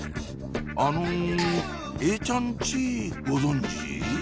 あのえいちゃん家ご存じ？